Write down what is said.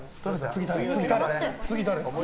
次、誰？